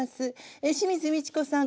清水ミチコさん